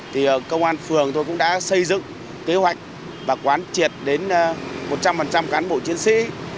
thì công an phường tôi cũng đã xây dựng kế hoạch và quán triệt đến một trăm linh cán bộ chiến sĩ